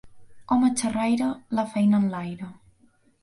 Home xerraire, la feina enlaire.